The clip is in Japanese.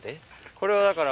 これはだから。